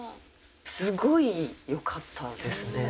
すごいよかったですね。